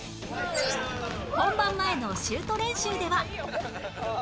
本番前のシュート練習では